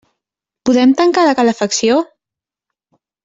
Podem tancar la calefacció?